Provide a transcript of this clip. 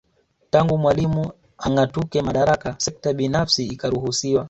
Tangu Mwalimu angatuke madaraka Sekta binafsi ikaruhusiwa